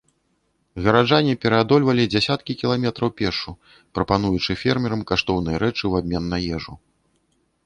Гараджане пераадольвалі дзясяткі кіламетраў пешшу, прапануючы фермерам каштоўныя рэчы ў абмен на ежу.